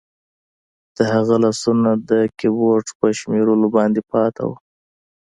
د هغه لاسونه د کیبورډ په شمیرو باندې پاتې وو